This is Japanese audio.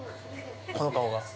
この顔が。